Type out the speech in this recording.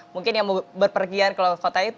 mungkin yang berpergian ke kota itu